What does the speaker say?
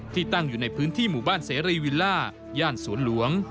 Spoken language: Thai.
ตั้งอยู่ในพื้นที่หมู่บ้านเสรีวิลล่าย่านสวนหลวง